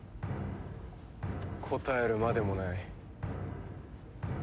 答えるまでもない。